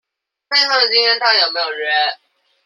所以他們今天到底有沒有約